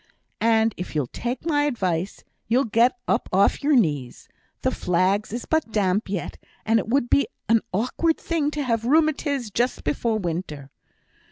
And if you'll take my advice, you'll get up off your knees. The flags is but damp yet, and it would be an awkward thing to have rheumatiz just before winter.'